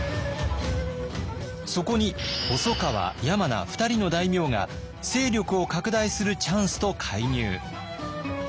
そこに細川山名２人の大名が「勢力を拡大するチャンス」と介入。